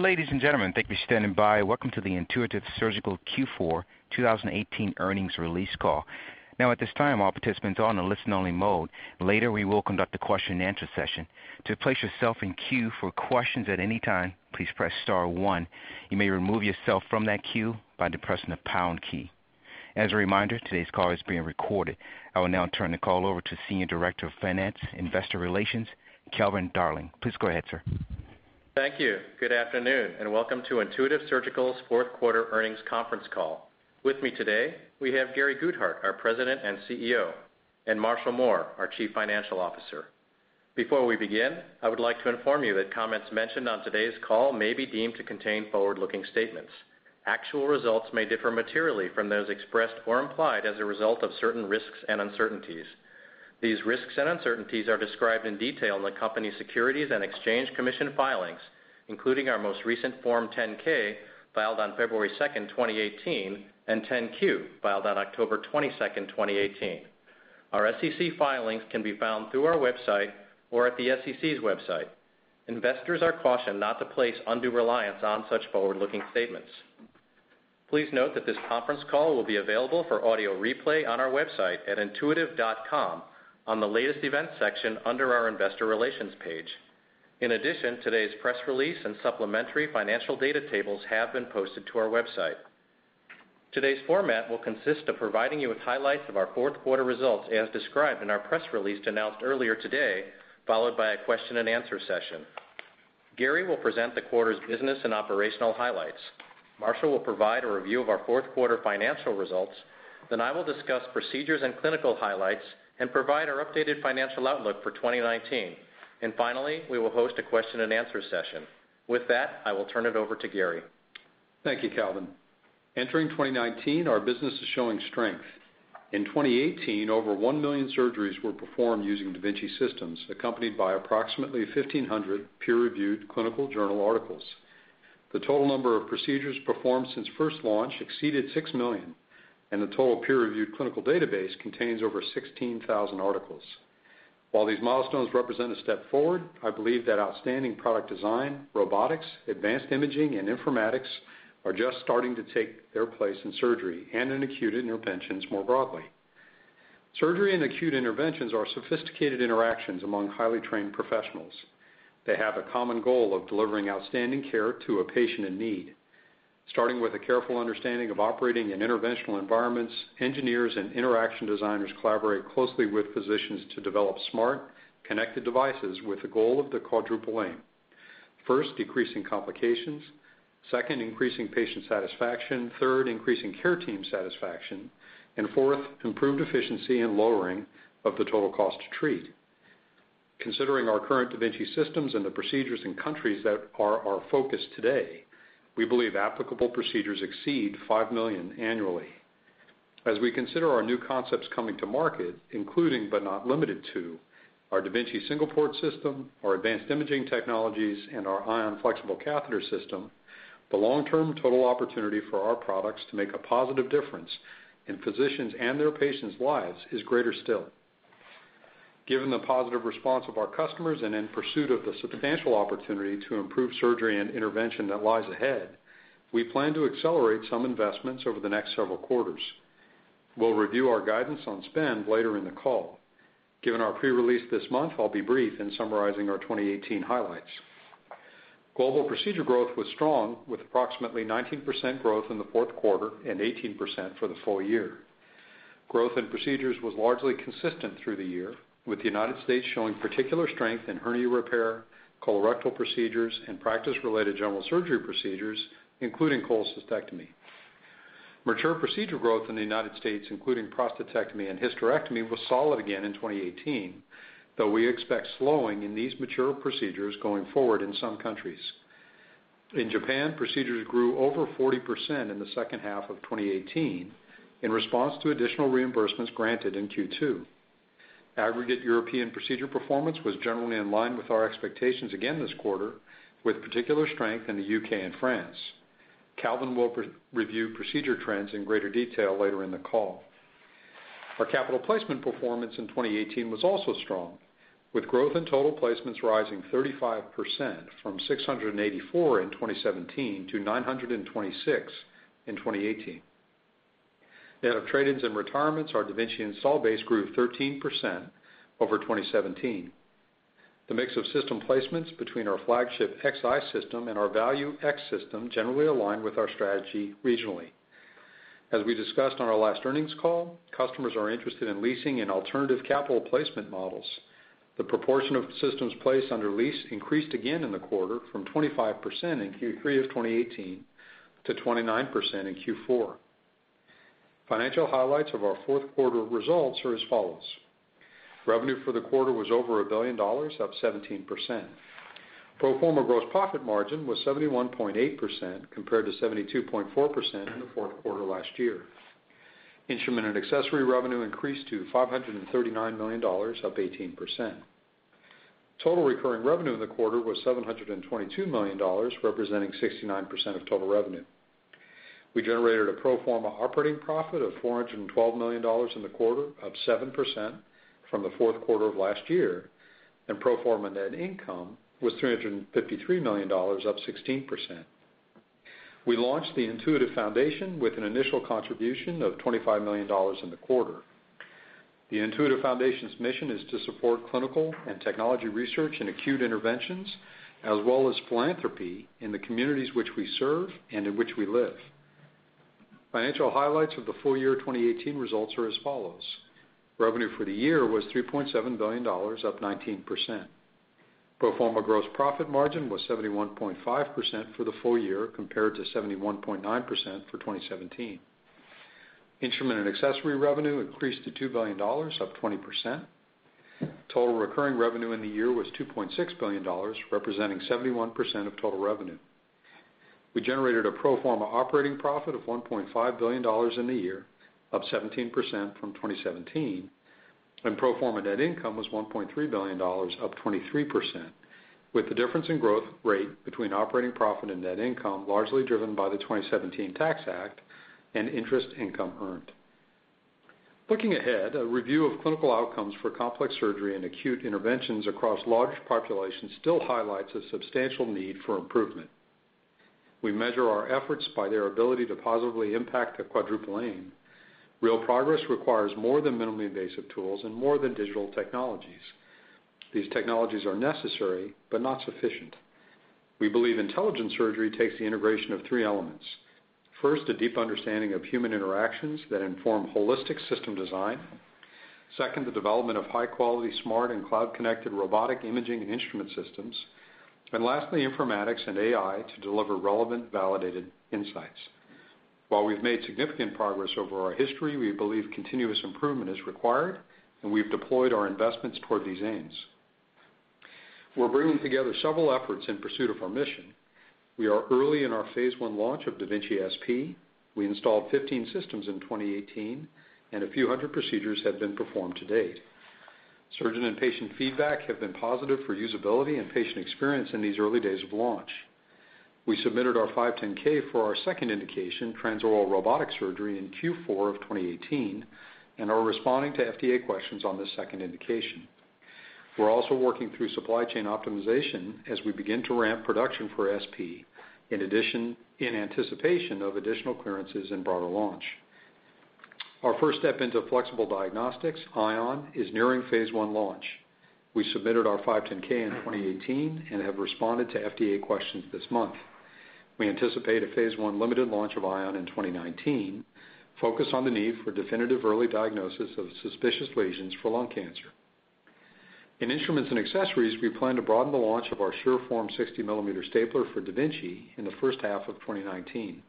Ladies and gentlemen, thank you for standing by. Welcome to the Intuitive Surgical Q4 2018 earnings release call. At this time, all participants are in a listen-only mode. Later, we will conduct a question-and-answer session. To place yourself in queue for questions at any time, please press star one. You may remove yourself from that queue by depressing the pound key. As a reminder, today's call is being recorded. I will now turn the call over to Senior Director of Finance Investor Relations, Calvin Darling. Please go ahead, sir. Thank you. Good afternoon, and welcome to Intuitive Surgical's fourth quarter earnings conference call. With me today, we have Gary Guthart, our President and CEO, and Marshall Mohr, our Chief Financial Officer. Before we begin, I would like to inform you that comments mentioned on today's call may be deemed to contain forward-looking statements. Actual results may differ materially from those expressed or implied as a result of certain risks and uncertainties. These risks and uncertainties are described in detail in the company's Securities and Exchange Commission filings, including our most recent Form 10-K, filed on February 2nd, 2018, and Form 10-Q, filed on October 22nd, 2018. Our SEC filings can be found through our website or at the SEC's website. Investors are cautioned not to place undue reliance on such forward-looking statements. Please note that this conference call will be available for audio replay on our website at intuitive.com on the Latest Events section under our Investor Relations page. In addition, today's press release and supplementary financial data tables have been posted to our website. Today's format will consist of providing you with highlights of our fourth quarter results as described in our press release announced earlier today, followed by a question-and-answer session. Gary Guthart will present the quarter's business and operational highlights. Marshall Mohr will provide a review of our fourth quarter financial results. Then I will discuss procedures and clinical highlights and provide our updated financial outlook for 2019. Finally, we will host a question-and-answer session. With that, I will turn it over to Gary Guthart. Thank you, Calvin Darling. Entering 2019, our business is showing strength. In 2018, over one million surgeries were performed using da Vinci systems, accompanied by approximately 1,500 peer-reviewed clinical journal articles. The total number of procedures performed since first launch exceeded six million, and the total peer-reviewed clinical database contains over 16,000 articles. While these milestones represent a step forward, I believe that outstanding product design, robotics, advanced imaging, and informatics are just starting to take their place in surgery and in acute interventions more broadly. Surgery and acute interventions are sophisticated interactions among highly trained professionals. They have a common goal of delivering outstanding care to a patient in need. Starting with a careful understanding of operating in interventional environments, engineers and interaction designers collaborate closely with physicians to develop smart, connected devices with the goal of the Quadruple Aim. First, decreasing complications. Second, increasing patient satisfaction. Third, increasing care team satisfaction. Fourth, improved efficiency and lowering of the total cost to treat. Considering our current da Vinci systems and the procedures in countries that are our focus today, we believe applicable procedures exceed five million annually. As we consider our new concepts coming to market, including but not limited to our da Vinci Single Port system, our advanced imaging technologies, and our Ion Flexible Catheter system, the long-term total opportunity for our products to make a positive difference in physicians' and their patients' lives is greater still. Given the positive response of our customers and in pursuit of the substantial opportunity to improve surgery and intervention that lies ahead, we plan to accelerate some investments over the next several quarters. We'll review our guidance on spend later in the call. Given our pre-release this month, I'll be brief in summarizing our 2018 highlights. Global procedure growth was strong, with approximately 19% growth in the fourth quarter and 18% for the full year. Growth in procedures was largely consistent through the year, with the U.S. showing particular strength in hernia repair, colorectal procedures, and practice-related general surgery procedures, including cholecystectomy. Mature procedure growth in the U.S., including prostatectomy and hysterectomy, was solid again in 2018, though we expect slowing in these mature procedures going forward in some countries. In Japan, procedures grew over 40% in the second half of 2018 in response to additional reimbursements granted in Q2. Aggregate European procedure performance was generally in line with our expectations again this quarter, with particular strength in the U.K. and France. Calvin Darling will review procedure trends in greater detail later in the call. Our capital placement performance in 2018 was also strong, with growth in total placements rising 35% from 684 in 2017 to 926 in 2018. Net of trade-ins and retirements, our da Vinci install base grew 13% over 2017. The mix of system placements between our flagship Xi system and our value X system generally align with our strategy regionally. As we discussed on our last earnings call, customers are interested in leasing and alternative capital placement models. The proportion of systems placed under lease increased again in the quarter from 25% in Q3 of 2018 to 29% in Q4. Financial highlights of our fourth quarter results are as follows. Revenue for the quarter was over $1 billion, up 17%. Pro forma gross profit margin was 71.8% compared to 72.4% in the fourth quarter last year. Instrument and accessory revenue increased to $539 million, up 18%. Total recurring revenue in the quarter was $722 million, representing 69% of total revenue. We generated a pro forma operating profit of $412 million in the quarter, up 7% from the fourth quarter of last year, and pro forma net income was $353 million, up 16%. We launched the Intuitive Foundation with an initial contribution of $25 million in the quarter. The Intuitive Foundation's mission is to support clinical and technology research in acute interventions, as well as philanthropy in the communities which we serve and in which we live. Financial highlights of the full year 2018 results are as follows. Revenue for the year was $3.7 billion, up 19%. Pro forma gross profit margin was 71.5% for the full year, compared to 71.9% for 2017. Instrument and accessory revenue increased to $2 billion, up 20%. Total recurring revenue in the year was $2.6 billion, representing 71% of total revenue. We generated a pro forma operating profit of $1.5 billion in the year, up 17% from 2017, and pro forma net income was $1.3 billion, up 23%, with the difference in growth rate between operating profit and net income largely driven by the 2017 Tax Act and interest income earned. Looking ahead, a review of clinical outcomes for complex surgery and acute interventions across large populations still highlights a substantial need for improvement. We measure our efforts by their ability to positively impact the Quadruple Aim. Real progress requires more than minimally invasive tools and more than digital technologies. These technologies are necessary but not sufficient. We believe intelligent surgery takes the integration of three elements. First, a deep understanding of human interactions that inform holistic system design. Second, the development of high-quality, smart, and cloud-connected robotic imaging and instrument systems. Lastly, informatics and AI to deliver relevant, validated insights. While we've made significant progress over our history, we believe continuous improvement is required, and we've deployed our investments toward these aims. We're bringing together several efforts in pursuit of our mission. We are early in our phase I launch of da Vinci SP. We installed 15 systems in 2018, and a few hundred procedures have been performed to date. Surgeon and patient feedback have been positive for usability and patient experience in these early days of launch. We submitted our 510(k) for our second indication, transoral robotic surgery, in Q4 of 2018 and are responding to FDA questions on this second indication. We're also working through supply chain optimization as we begin to ramp production for SP, in anticipation of additional clearances and broader launch. Our first step into flexible diagnostics, Ion, is nearing phase I launch. We submitted our 510(k) in 2018 and have responded to FDA questions this month. We anticipate a phase I limited launch of Ion in 2019, focused on the need for definitive early diagnosis of suspicious lesions for lung cancer. In instruments and accessories, we plan to broaden the launch of our SureForm 60 mm stapler for da Vinci in the first half of 2019.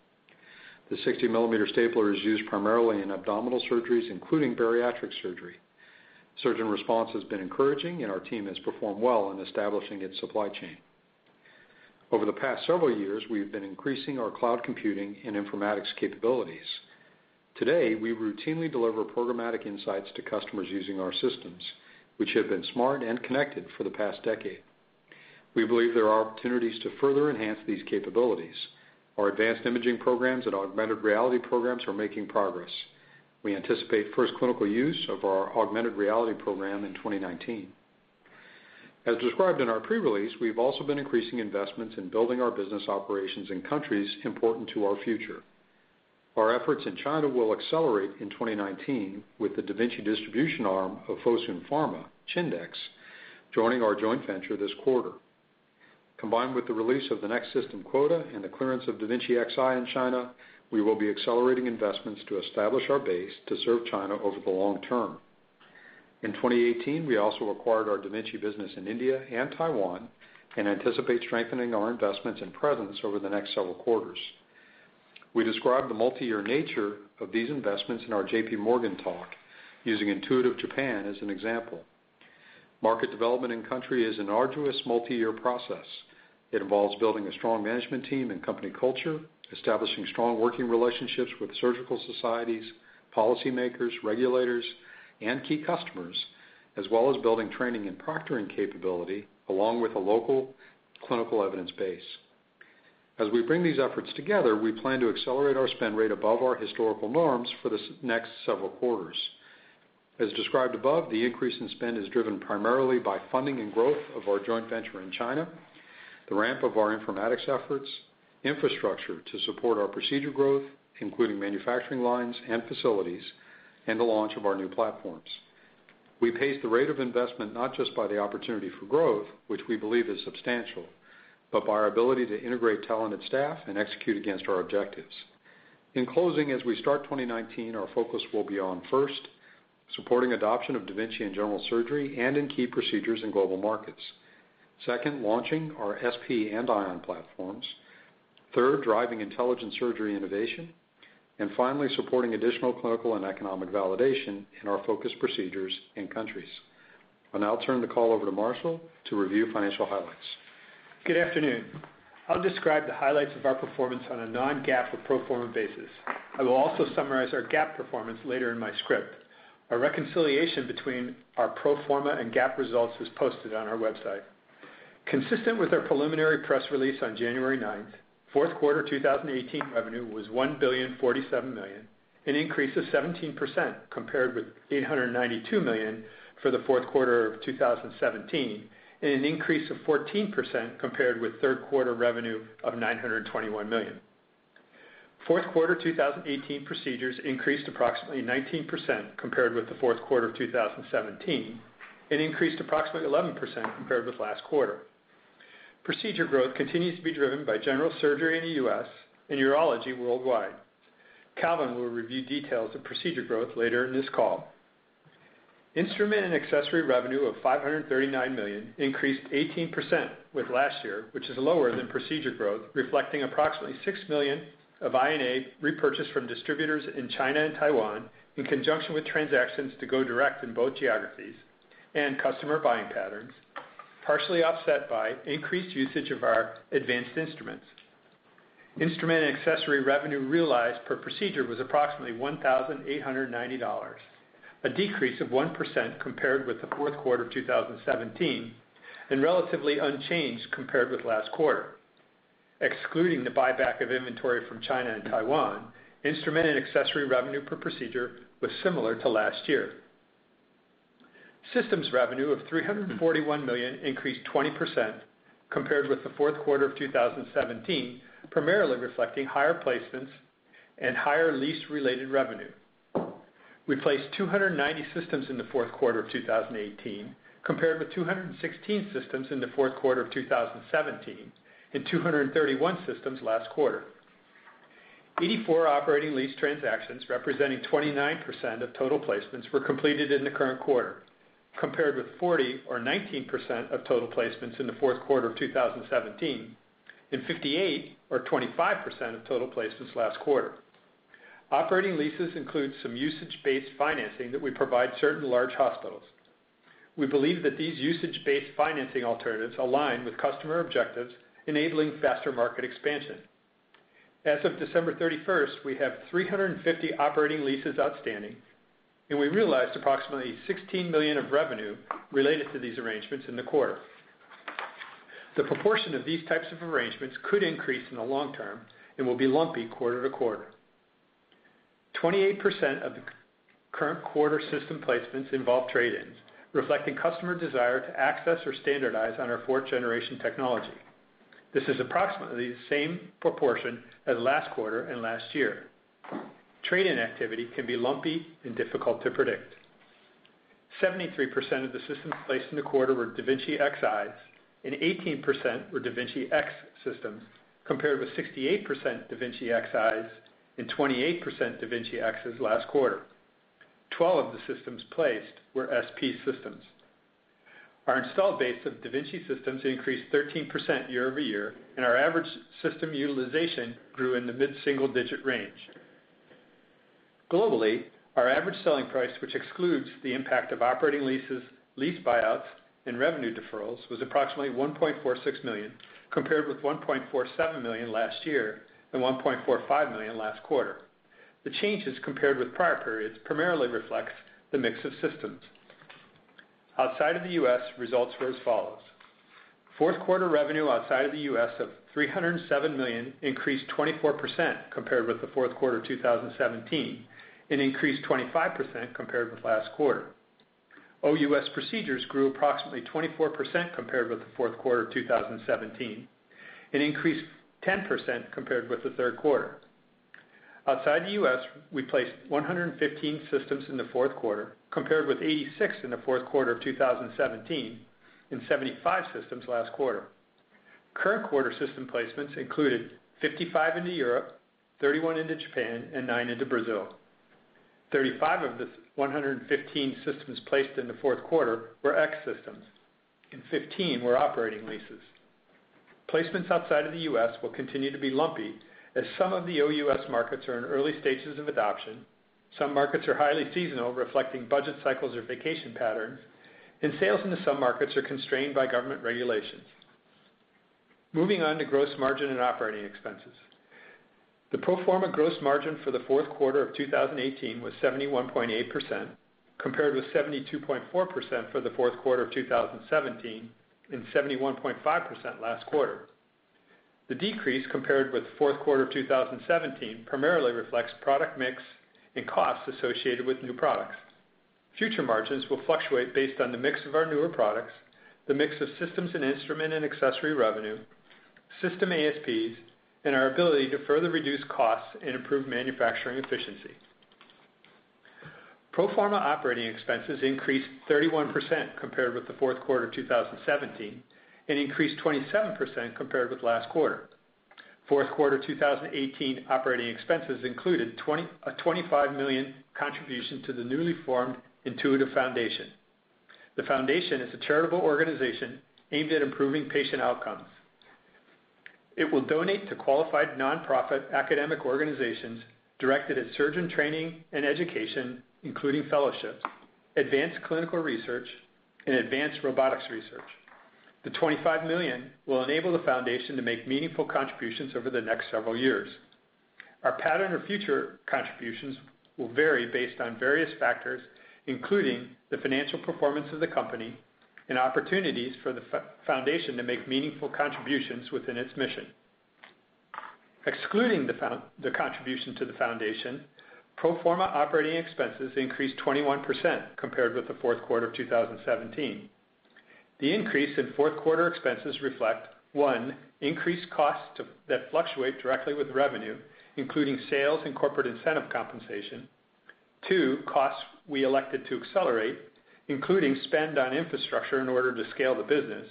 The 60 mm stapler is used primarily in abdominal surgeries, including bariatric surgery. Surgeon response has been encouraging, and our team has performed well in establishing its supply chain. Over the past several years, we have been increasing our cloud computing and informatics capabilities. Today, we routinely deliver programmatic insights to customers using our systems, which have been smart and connected for the past decade. We believe there are opportunities to further enhance these capabilities. Our advanced imaging programs and augmented reality programs are making progress. We anticipate first clinical use of our augmented reality program in 2019. As described in our pre-release, we've also been increasing investments in building our business operations in countries important to our future. Our efforts in China will accelerate in 2019 with the da Vinci distribution arm of Fosun Pharma, Chindex, joining our joint venture this quarter. Combined with the release of the next system quota and the clearance of da Vinci Xi in China, we will be accelerating investments to establish our base to serve China over the long term. In 2018, we also acquired our da Vinci business in India and Taiwan and anticipate strengthening our investments and presence over the next several quarters. We describe the multi-year nature of these investments in our JPMorgan talk, using Intuitive Surgical Japan as an example. Market development in country is an arduous multi-year process. It involves building a strong management team and company culture, establishing strong working relationships with surgical societies, policymakers, regulators, and key customers, as well as building training and proctoring capability along with a local clinical evidence base. As we bring these efforts together, we plan to accelerate our spend rate above our historical norms for the next several quarters. As described above, the increase in spend is driven primarily by funding and growth of our joint venture in China, the ramp of our informatics efforts, infrastructure to support our procedure growth, including manufacturing lines and facilities, and the launch of our new platforms. We pace the rate of investment not just by the opportunity for growth, which we believe is substantial, but by our ability to integrate talented staff and execute against our objectives. In closing, as we start 2019, our focus will be on, first, supporting adoption of da Vinci in general surgery and in key procedures in global markets. Second, launching our SP and Ion platforms. Third, driving intelligent surgery innovation. Finally, supporting additional clinical and economic validation in our focus procedures and countries. I'll now turn the call over to Marshall Mohr to review financial highlights. Good afternoon. I'll describe the highlights of our performance on a non-GAAP or pro forma basis. I will also summarize our GAAP performance later in my script. A reconciliation between our pro forma and GAAP results is posted on our website. Consistent with our preliminary press release on January 9th, fourth quarter 2018 revenue was $1.047 billion, an increase of 17% compared with $892 million for the fourth quarter of 2017, and an increase of 14% compared with third quarter revenue of $921 million. Fourth quarter 2018 procedures increased approximately 19% compared with the fourth quarter of 2017, and increased approximately 11% compared with last quarter. Procedure growth continues to be driven by general surgery in the U.S., and urology worldwide. Calvin Darling will review details of procedure growth later in this call. Instrument and accessory revenue of $539 million increased 18% with last year, which is lower than procedure growth, reflecting approximately $6 million of INA repurchased from distributors in China and Taiwan, in conjunction with transactions to go direct in both geographies, and customer buying patterns, partially offset by increased usage of our advanced instruments. Instrument and accessory revenue realized per procedure was approximately $1,890, a decrease of 1% compared with the fourth quarter 2017, and relatively unchanged compared with last quarter. Excluding the buyback of inventory from China and Taiwan, instrument and accessory revenue per procedure was similar to last year. Systems revenue of $341 million increased 20% compared with the fourth quarter of 2017, primarily reflecting higher placements and higher lease-related revenue. We placed 290 systems in the fourth quarter of 2018 compared with 216 systems in the fourth quarter of 2017, and 231 systems last quarter. 84 operating lease transactions representing 29% of total placements were completed in the current quarter, compared with 40 or 19% of total placements in the fourth quarter of 2017, and 58 or 25% of total placements last quarter. Operating leases include some usage-based financing that we provide certain large hospitals. We believe that these usage-based financing alternatives align with customer objectives, enabling faster market expansion. As of December 31st, we have 350 operating leases outstanding, and we realized approximately $16 million of revenue related to these arrangements in the quarter. The proportion of these types of arrangements could increase in the long term and will be lumpy quarter-to-quarter. 28% of the current quarter system placements involve trade-ins, reflecting customer desire to access or standardize on our fourth-generation technology. This is approximately the same proportion as last quarter and last year. Trade-in activity can be lumpy and difficult to predict. 73% of the systems placed in the quarter were da Vinci Xis, and 18% were da Vinci X systems, compared with 68% da Vinci Xis and 28% da Vinci Xs last quarter. 12 of the systems placed were SP systems. Our install base of da Vinci systems increased 13% year-over-year, and our average system utilization grew in the mid-single digit range. Globally, our average selling price, which excludes the impact of operating leases, lease buyouts, and revenue deferrals, was approximately $1.46 million, compared with $1.47 million last year and $1.45 million last quarter. The changes compared with prior periods primarily reflects the mix of systems. Outside of the U.S., results were as follows: fourth quarter revenue outside of the U.S. of $307 million increased 24% compared with the fourth quarter 2017, and increased 25% compared with last quarter. OUS procedures grew approximately 24% compared with the fourth quarter 2017, and increased 10% compared with the third quarter. Outside the U.S., we placed 115 systems in the fourth quarter, compared with 86 in the fourth quarter of 2017, and 75 systems last quarter. Current quarter system placements included 55 into Europe, 31 into Japan, and nine into Brazil. 35 of the 115 systems placed in the fourth quarter were X systems, and 15 were operating leases. Placements outside of the U.S. will continue to be lumpy as some of the OUS markets are in early stages of adoption. Some markets are highly seasonal, reflecting budget cycles or vacation patterns, and sales into some markets are constrained by government regulations. Moving on to gross margin and operating expenses. The pro forma gross margin for the fourth quarter of 2018 was 71.8%, compared with 72.4% for the fourth quarter of 2017, and 71.5% last quarter. The decrease compared with the fourth quarter of 2017 primarily reflects product mix and costs associated with new products. Future margins will fluctuate based on the mix of our newer products, the mix of systems and instrument and accessory revenue, system ASPs, and our ability to further reduce costs and improve manufacturing efficiency. Pro forma operating expenses increased 31% compared with the fourth quarter 2017, and increased 27% compared with last quarter. Fourth quarter 2018 operating expenses included a $25 million contribution to the newly formed Intuitive Foundation. The foundation is a charitable organization aimed at improving patient outcomes. It will donate to qualified nonprofit academic organizations directed at surgeon training and education, including fellowships, advanced clinical research, and advanced robotics research. The $25 million will enable the Intuitive Foundation to make meaningful contributions over the next several years. Our pattern of future contributions will vary based on various factors, including the financial performance of the company and opportunities for the Intuitive Foundation to make meaningful contributions within its mission. Excluding the contribution to the Intuitive Foundation, pro forma operating expenses increased 21% compared with the fourth quarter of 2017. The increase in fourth quarter expenses reflect, one, increased costs that fluctuate directly with revenue, including sales and corporate incentive compensation. Two, costs we elected to accelerate, including spend on infrastructure in order to scale the business.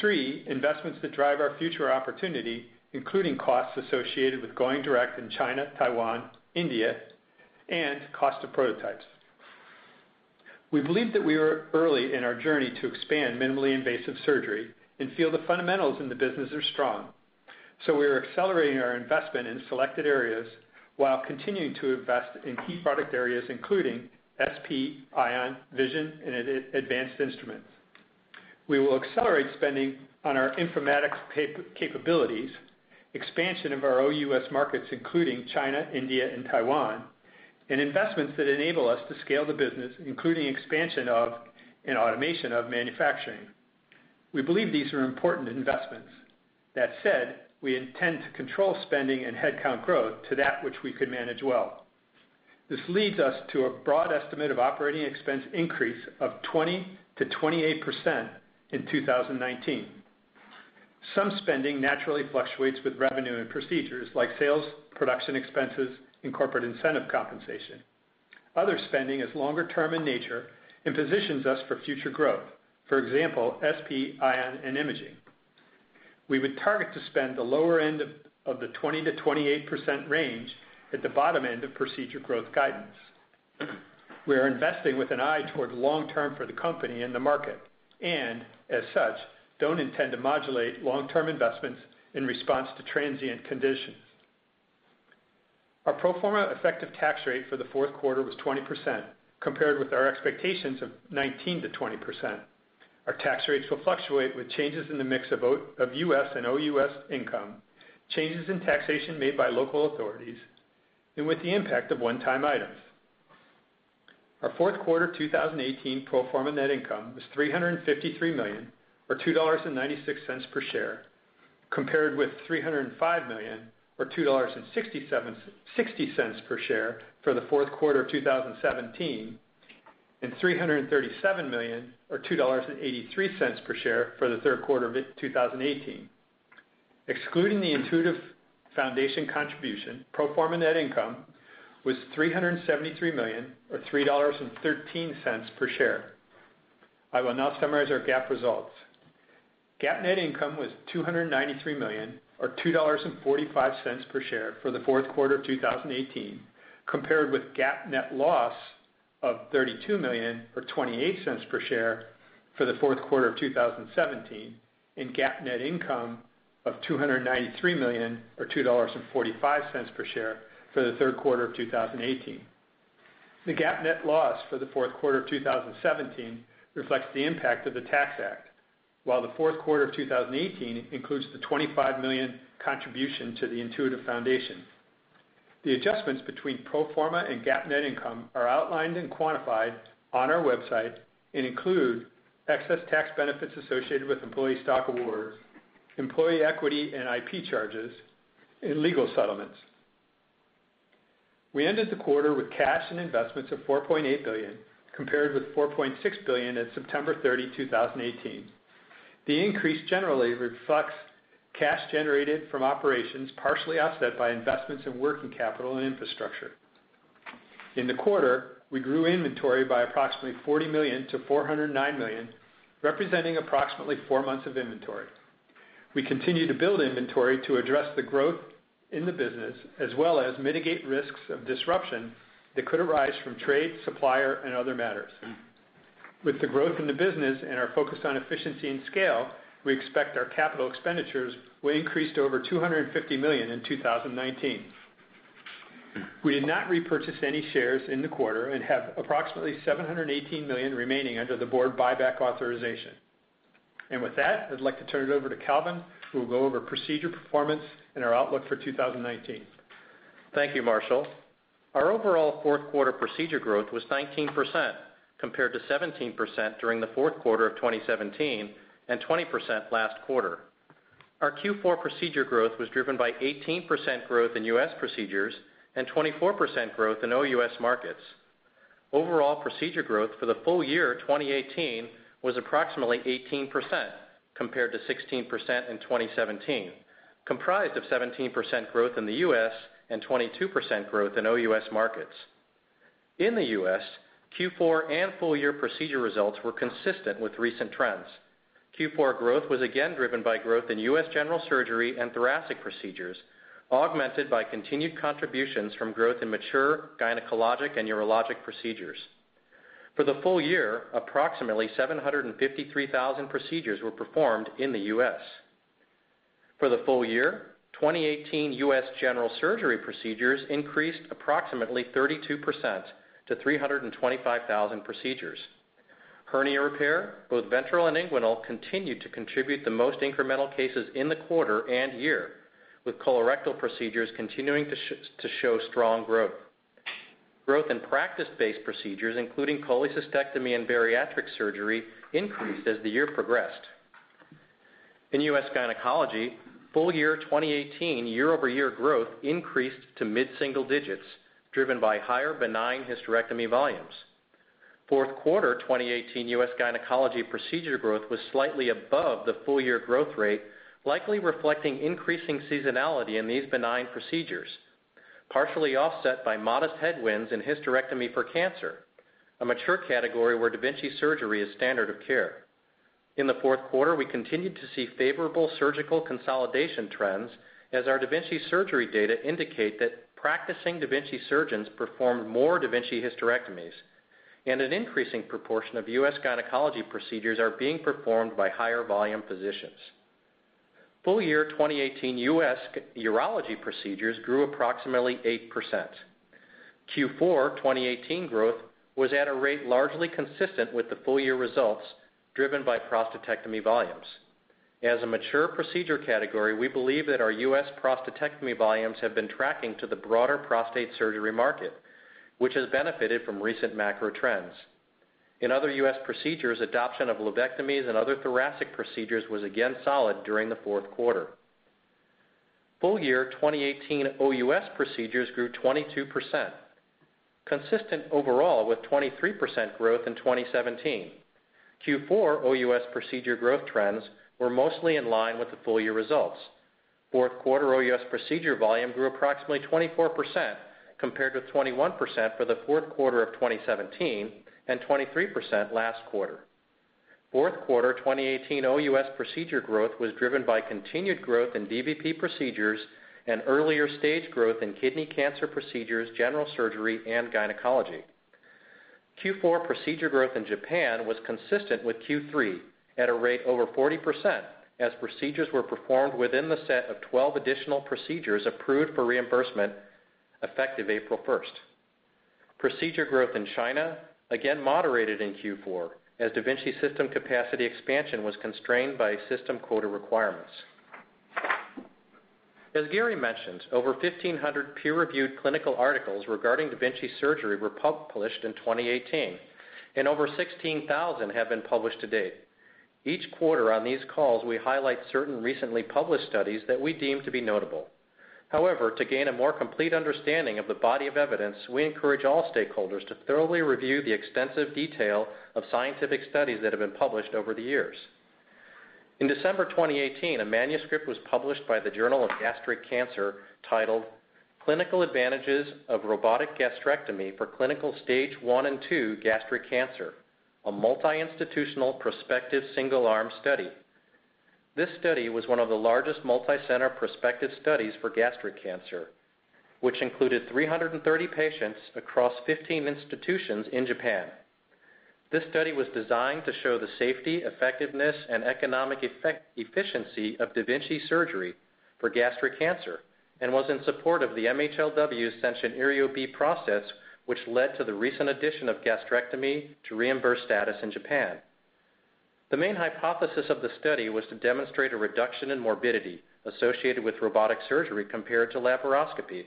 Three, investments that drive our future opportunity, including costs associated with going direct in China, Taiwan, India, and cost of prototypes. We believe that we are early in our journey to expand minimally invasive surgery and feel the fundamentals in the business are strong. We are accelerating our investment in selected areas while continuing to invest in key product areas, including SP, Ion, Envision, and advanced instruments. We will accelerate spending on our informatics capabilities, expansion of our OUS markets, including China, India, and Taiwan, and investments that enable us to scale the business, including expansion of and automation of manufacturing. We believe these are important investments. That said, we intend to control spending and headcount growth to that which we could manage well. This leads us to a broad estimate of operating expense increase of 20%-28% in 2019. Some spending naturally fluctuates with revenue and procedures like sales, production expenses, and corporate incentive compensation. Other spending is longer term in nature and positions us for future growth. For example, SP, Ion, and imaging. We would target to spend the lower end of the 20%-28% range at the bottom end of procedure growth guidance. We are investing with an eye toward long-term for the company and the market, and as such, don't intend to modulate long-term investments in response to transient conditions. Our pro forma effective tax rate for the fourth quarter was 20%, compared with our expectations of 19%-20%. Our tax rates will fluctuate with changes in the mix of U.S. and OUS income, changes in taxation made by local authorities, and with the impact of one-time items. Our fourth quarter 2018 pro forma net income was $353 million or $2.96 per share, compared with $305 million or $2.60 per share for the fourth quarter of 2017 and $337 million or $2.83 per share for the third quarter of 2018. Excluding the Intuitive Foundation contribution, pro forma net income was $373 million or $3.13 per share. I will now summarize our GAAP results. GAAP net income was $293 million or $2.45 per share for the fourth quarter of 2018 compared with GAAP net loss of $32 million or $0.28 per share for the fourth quarter of 2017 and GAAP net income of $293 million or $2.45 per share for the third quarter of 2018. The GAAP net loss for the fourth quarter of 2017 reflects the impact of the Tax Act, while the fourth quarter of 2018 includes the $25 million contribution to the Intuitive Foundation. The adjustments between pro forma and GAAP net income are outlined and quantified on our website and include excess tax benefits associated with employee stock awards, employee equity and IP charges, and legal settlements. We ended the quarter with cash and investments of $4.8 billion, compared with $4.6 billion at September 30, 2018. The increase generally reflects cash generated from operations, partially offset by investments in working capital and infrastructure. In the quarter, we grew inventory by approximately $40 million to $409 million, representing approximately four months of inventory. We continue to build inventory to address the growth in the business, as well as mitigate risks of disruption that could arise from trade, supplier, and other matters. With the growth in the business and our focus on efficiency and scale, we expect our capital expenditures will increase to over $250 million in 2019. We did not repurchase any shares in the quarter and have approximately $718 million remaining under the Board buyback authorization. With that, I'd like to turn it over to Calvin Darling, who will go over procedure performance and our outlook for 2019. Thank you, Marshall Mohr. Our overall fourth quarter procedure growth was 19%, compared to 17% during the fourth quarter of 2017 and 20% last quarter. Our Q4 procedure growth was driven by 18% growth in U.S. procedures and 24% growth in OUS markets. Overall procedure growth for the full year 2018 was approximately 18%, compared to 16% in 2017, comprised of 17% growth in the U.S. and 22% growth in OUS markets. In the U.S., Q4 and full year procedure results were consistent with recent trends. Q4 growth was again driven by growth in U.S. general surgery and thoracic procedures, augmented by continued contributions from growth in mature gynecologic and urologic procedures. For the full year, approximately 753,000 procedures were performed in the U.S. For the full year, 2018 U.S. general surgery procedures increased approximately 32% to 325,000 procedures. Hernia repair, both ventral and inguinal, continued to contribute the most incremental cases in the quarter and year, with colorectal procedures continuing to show strong growth. Growth in practice-based procedures, including cholecystectomy and bariatric surgery, increased as the year progressed. In U.S. gynecology, full year 2018 year-over-year growth increased to mid-single digits, driven by higher benign hysterectomy volumes. Fourth quarter 2018 U.S. gynecology procedure growth was slightly above the full-year growth rate, likely reflecting increasing seasonality in these benign procedures, partially offset by modest headwinds in hysterectomy for cancer, a mature category where da Vinci surgery is standard of care. In the fourth quarter, we continued to see favorable surgical consolidation trends as our da Vinci surgery data indicate that practicing da Vinci surgeons performed more da Vinci hysterectomies, and an increasing proportion of U.S. gynecology procedures are being performed by higher volume physicians. Full year 2018 U.S. urology procedures grew approximately 8%. Q4 2018 growth was at a rate largely consistent with the full-year results, driven by prostatectomy volumes. As a mature procedure category, we believe that our U.S. prostatectomy volumes have been tracking to the broader prostate surgery market, which has benefited from recent macro trends. In other U.S. procedures, adoption of lobectomies and other thoracic procedures was again solid during the fourth quarter. Full year 2018 OUS procedures grew 22%, consistent overall with 23% growth in 2017. Q4 OUS procedure growth trends were mostly in line with the full-year results. Fourth quarter OUS procedure volume grew approximately 24%, compared with 21% for the fourth quarter of 2017 and 23% last quarter. Fourth quarter 2018 OUS procedure growth was driven by continued growth in dVP procedures and earlier stage growth in kidney cancer procedures, general surgery and gynecology. Q4 procedure growth in Japan was consistent with Q3 at a rate over 40% as procedures were performed within the set of 12 additional procedures approved for reimbursement effective April 1st. Procedure growth in China again moderated in Q4 as da Vinci system capacity expansion was constrained by system quota requirements. As Gary mentioned, over 1,500 peer-reviewed clinical articles regarding da Vinci surgery were published in 2018, and over 16,000 have been published to date. Each quarter on these calls, we highlight certain recently published studies that we deem to be notable. To gain a more complete understanding of the body of evidence, we encourage all stakeholders to thoroughly review the extensive detail of scientific studies that have been published over the years. In December 2018, a manuscript was published by the Journal of Gastric Cancer titled, "Clinical Advantages of Robotic Gastrectomy for Clinical Stage I and II Gastric Cancer: A Multienstitutional Prospective Single-Arm Study." This study was one of the largest multicenter prospective studies for gastric cancer, which included 330 patients across 15 institutions in Japan. This study was designed to show the safety, effectiveness, and economic efficiency of da Vinci surgery for gastric cancer and was in support of the MHLW Senshin Iryo B process, which led to the recent addition of gastrectomy to reimbursed status in Japan. The main hypothesis of the study was to demonstrate a reduction in morbidity associated with robotic surgery compared to laparoscopy.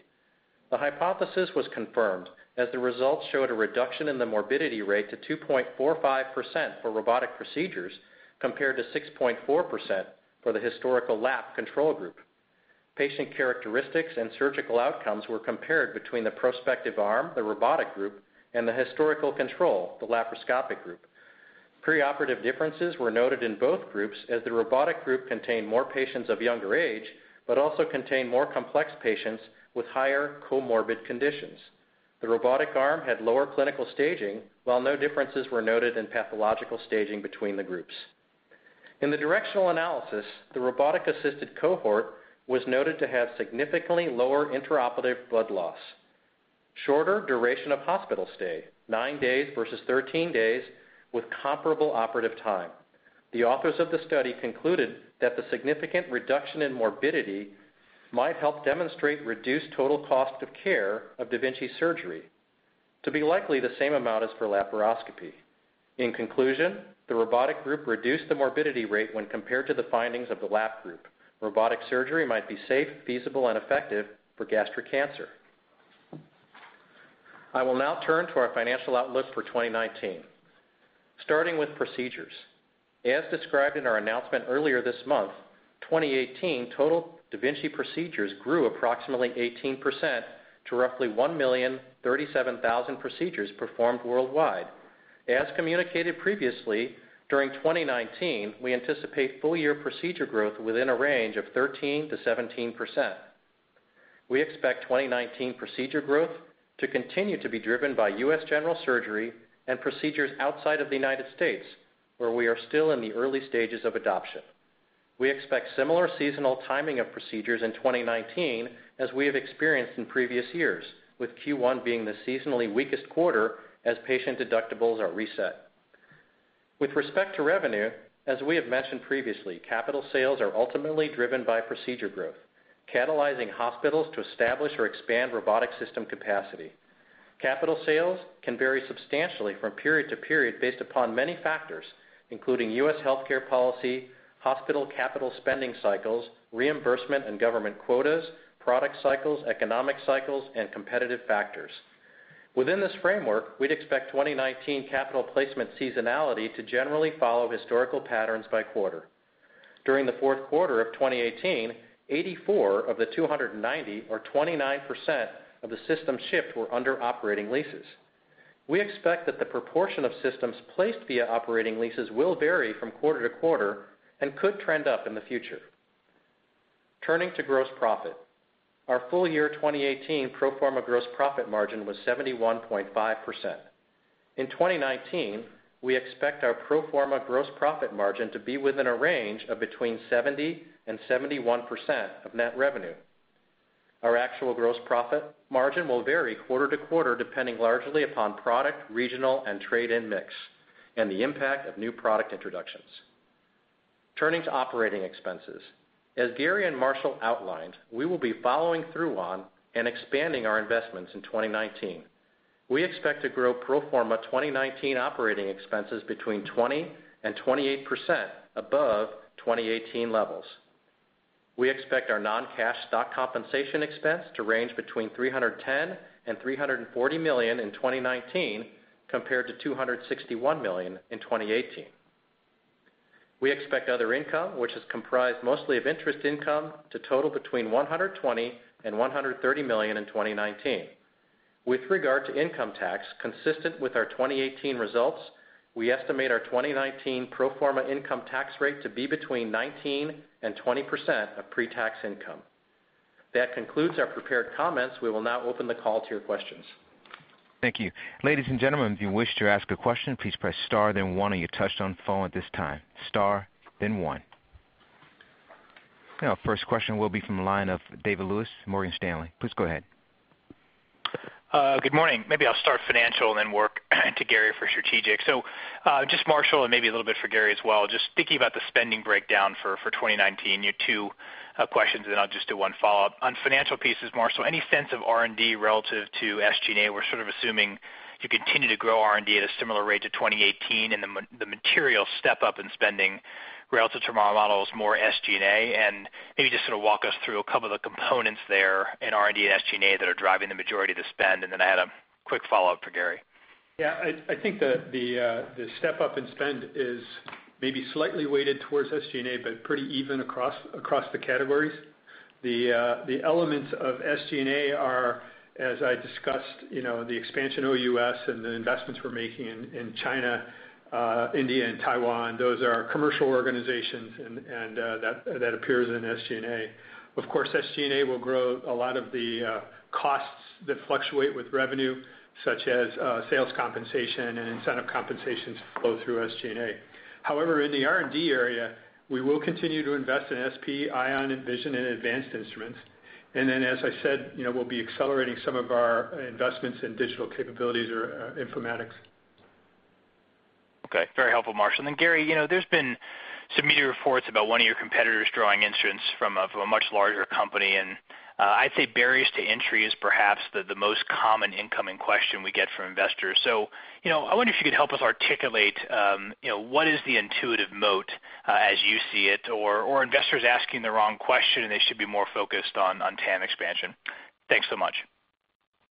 The hypothesis was confirmed as the results showed a reduction in the morbidity rate to 2.45% for robotic procedures compared to 6.4% for the historical lap control group. Patient characteristics and surgical outcomes were compared between the prospective arm, the robotic group, and the historical control, the laparoscopic group. Preoperative differences were noted in both groups as the robotic group contained more patients of younger age but also contained more complex patients with higher comorbid conditions. The robotic arm had lower clinical staging, while no differences were noted in pathological staging between the groups. In the directional analysis, the robotic-assisted cohort was noted to have significantly lower intraoperative blood loss, shorter duration of hospital stay, nine days versus 13 days, with comparable operative time. The authors of the study concluded that the significant reduction in morbidity might help demonstrate reduced total cost of care of da Vinci surgery to be likely the same amount as for laparoscopy. In conclusion, the robotic group reduced the morbidity rate when compared to the findings of the lap group. Robotic surgery might be safe, feasible, and effective for gastric cancer. I will now turn to our financial outlook for 2019. Starting with procedures. As described in our announcement earlier this month, 2018 total da Vinci procedures grew approximately 18% to roughly 1,037,000 procedures performed worldwide. As communicated previously, during 2019, we anticipate full year procedure growth within a range of 13%-17%. We expect 2019 procedure growth to continue to be driven by U.S. general surgery and procedures outside of the United States, where we are still in the early stages of adoption. We expect similar seasonal timing of procedures in 2019 as we have experienced in previous years, with Q1 being the seasonally weakest quarter as patient deductibles are reset. With respect to revenue, as we have mentioned previously, capital sales are ultimately driven by procedure growth. Catalyzing hospitals to establish or expand robotic system capacity. Capital sales can vary substantially from period to period based upon many factors, including U.S. healthcare policy, hospital capital spending cycles, reimbursement and government quotas, product cycles, economic cycles, and competitive factors. Within this framework, we'd expect 2019 capital placement seasonality to generally follow historical patterns by quarter. During the fourth quarter of 2018, 84 of the 290, or 29% of the systems shipped, were under operating leases. We expect that the proportion of systems placed via operating leases will vary from quarter-to-quarter and could trend up in the future. Turning to gross profit. Our full year 2018 pro forma gross profit margin was 71.5%. In 2019, we expect our pro forma gross profit margin to be within a range of between 70% and 71% of net revenue. Our actual gross profit margin will vary quarter-to-quarter, depending largely upon product, regional, and trade-in mix, and the impact of new product introductions. Turning to operating expenses. As Gary Guthart and Marshall Mohr outlined, we will be following through on and expanding our investments in 2019. We expect to grow pro forma 2019 operating expenses between 20% and 28% above 2018 levels. We expect our non-cash stock compensation expense to range between $310 million and $340 million in 2019, compared to $261 million in 2018. We expect other income, which is comprised mostly of interest income, to total between $120 million and $130 million in 2019. With regard to income tax, consistent with our 2018 results, we estimate our 2019 pro forma income tax rate to be between 19% and 20% of pre-tax income. That concludes our prepared comments. We will now open the call to your questions. Thank you. Ladies and gentlemen, if you wish to ask a question, please press star then one on your touch-tone phone at this time. Star then one. First question will be from the line of David Lewis, Morgan Stanley. Please go ahead. Good morning. Maybe I'll start financial then work to Gary Guthart for strategic. Just Marshall Mohr, and maybe a little bit for Gary Guthart as well, just thinking about the spending breakdown for 2019. Two questions, then I'll just do one follow-up. On financial pieces, Marshall Mohr, any sense of R&D relative to SG&A? We're sort of assuming you continue to grow R&D at a similar rate to 2018 and the material step-up in spending relative to our model is more SG&A. Maybe just sort of walk us through a couple of the components there in R&D and SG&A that are driving the majority of the spend. Then I had a quick follow-up for Gary Guthart. I think the step-up in spend is maybe slightly weighted towards SG&A, but pretty even across the categories. The elements of SG&A are, as I discussed, the expansion OUS and the investments we're making in China, India, and Taiwan. Those are our commercial organizations, that appears in SG&A. Of course, SG&A will grow a lot of the costs that fluctuate with revenue, such as sales compensation and incentive compensations flow through SG&A. However, in the R&D area, we will continue to invest in SP, Ion, Envision, and advanced instruments. Then, as I said, we'll be accelerating some of our investments in digital capabilities or informatics. Okay. Very helpful, Marshall Mohr. Then Gary Guthart, there's been some media reports about one of your competitors drawing instruments from a much larger company. I'd say barriers to entry is perhaps the most common incoming question we get from investors. I wonder if you could help us articulate what is the Intuitive Surgical moat as you see it, or are investors asking the wrong question and they should be more focused on TAM expansion? Thanks so much.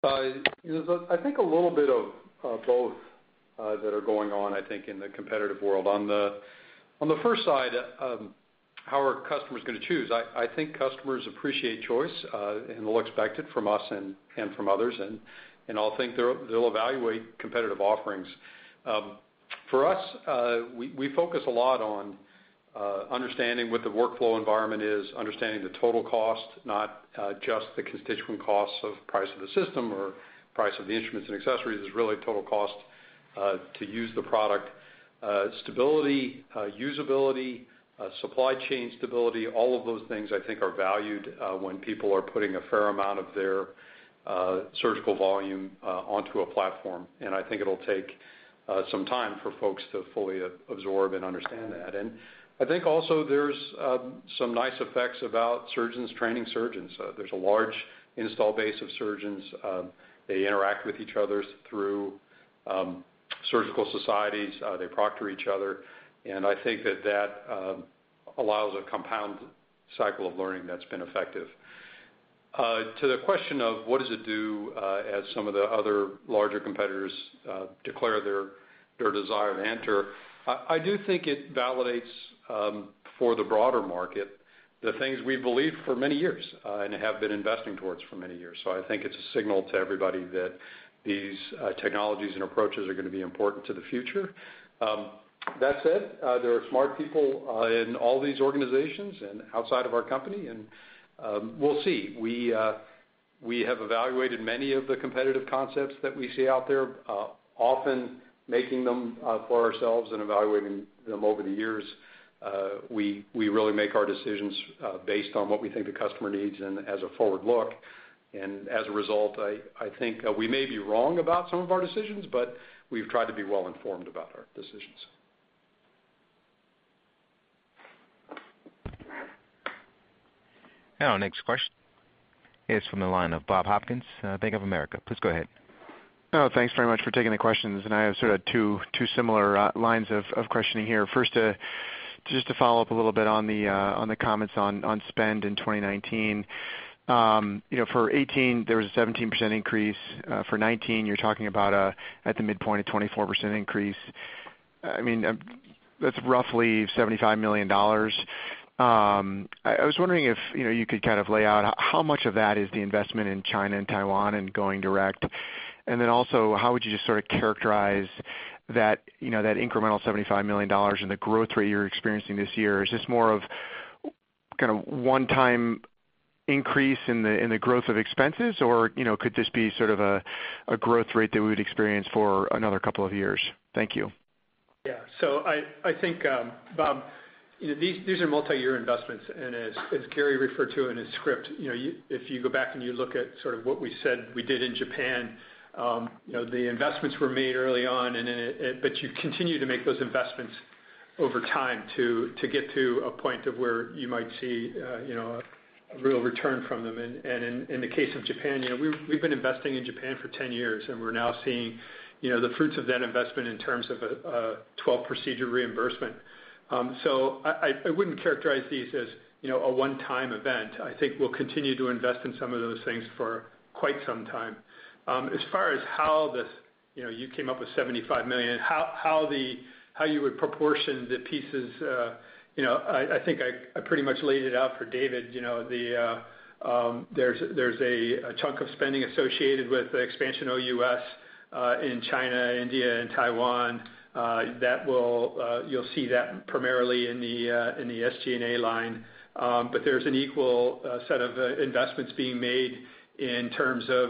I think a little bit of both that are going on, I think, in the competitive world. On the first side, how are customers going to choose? I think customers appreciate choice, and they'll expect it from us and from others, and I'll think they'll evaluate competitive offerings. For us, we focus a lot on understanding what the workflow environment is, understanding the total cost, not just the constituent costs of price of the system or price of the Instruments and Accessories. It's really total cost to use the product. Stability, usability, supply chain stability, all of those things I think are valued when people are putting a fair amount of their surgical volume onto a platform. I think it'll take some time for folks to fully absorb and understand that. I think also there's some nice effects about surgeons training surgeons. There's a large install base of surgeons. They interact with each other through surgical societies. They proctor each other. I think that that allows a compound cycle of learning that's been effective. To the question of what does it do as some of the other larger competitors declare their desire to enter, I do think it validates for the broader market the things we've believed for many years and have been investing towards for many years. I think it's a signal to everybody that these technologies and approaches are going to be important to the future. That said, there are smart people in all these organizations and outside of our company, and we'll see. We have evaluated many of the competitive concepts that we see out there, often making them for ourselves and evaluating them over the years. We really make our decisions based on what we think the customer needs and as a forward look. As a result, I think we may be wrong about some of our decisions, but we've tried to be well-informed about our decisions. Now next question is from the line of Bob Hopkins, Bank of America. Please go ahead. Thanks very much for taking the questions. I have sort of two similar lines of questioning here. First, just to follow up a little bit on the comments on spend in 2019. For 2018, there was a 17% increase. For 2019, you're talking about, at the midpoint, a 24% increase. That's roughly $75 million. I was wondering if you could kind of lay out how much of that is the investment in China and Taiwan and going direct? Also, how would you just sort of characterize that incremental $75 million and the growth rate you're experiencing this year? Is this more of kind of one-time increase in the growth of expenses, or could this be sort of a growth rate that we'd experience for another couple of years? Thank you. Yeah. I think, Bob Hopkins, these are multi-year investments. As Gary Guthart referred to in his script, if you go back and you look at sort of what we said we did in Japan, the investments were made early on, but you continue to make those investments over time to get to a point of where you might see a real return from them. In the case of Japan, we've been investing in Japan for 10 years, and we're now seeing the fruits of that investment in terms of a 12-procedure reimbursement. I wouldn't characterize these as a one-time event. I think we'll continue to invest in some of those things for quite some time. As far as how you came up with $75 million, how you would proportion the pieces, I think I pretty much laid it out for David Lewis. There's a chunk of spending associated with the expansion OUS in China, India, and Taiwan. You'll see that primarily in the SG&A line. There's an equal set of investments being made in terms of